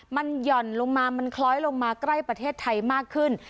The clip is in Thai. มันหย่อนลงมามันคล้อยลงมาใกล้ประเทศไทยมากขึ้น